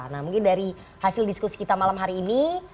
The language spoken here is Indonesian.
nah mungkin dari hasil diskusi kita malam hari ini